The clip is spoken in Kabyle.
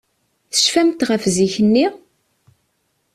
Tecfamt ɣef zik-nni?